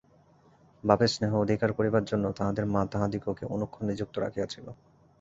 বাপের স্নেহ অধিকার করিবার জন্য তাহাদের মা তাহাদিগকে অনুক্ষণ নিযুক্ত রাখিয়াছিল।